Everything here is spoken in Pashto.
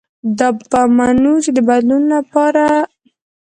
دا به منو چې د بدلون له پاره